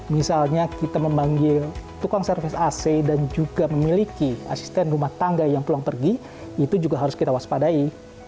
misalnya kita memanggil tukang servis ac dan juga memiliki asisten rumah tangga yang pulang pergi itu juga harus kita waspadai